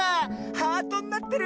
ハートになってる！